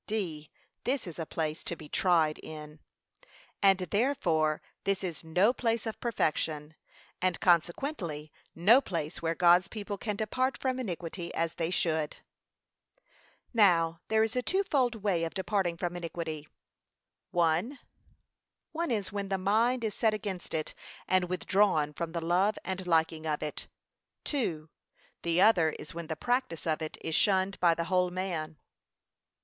(d.) This is a place to be tried in. And therefore this is no place of perfection, and consequently no place where God's people can depart from iniquity as they should. Now there is a twofold way of departing from iniquity. I. One is when the mind is set against it, and withdrawn from the love and liking of it. II. The other is when the practice of it is shunned by the whole man.